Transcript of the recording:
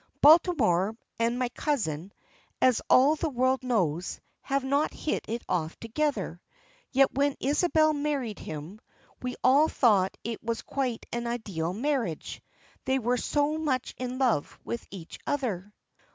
Baltimore and my cousin, as all the world knows, have not hit it off together. Yet when Isabel married him, we all thought it was quite an ideal marriage, they were so much in love with each other."